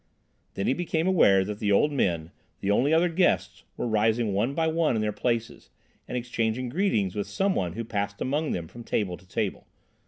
Then he became aware that the old men, the only other guests, were rising one by one in their places, and exchanging greetings with some one who passed among them from table to table.